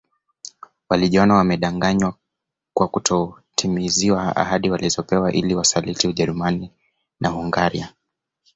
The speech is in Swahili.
Walijiona wamedanganywa kwa kutotimiziwa ahadi walizopewa ili Wasaliti Ujerumani na Hungaria